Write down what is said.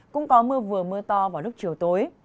cũng có mưa vừa mưa to vào lúc chiều tối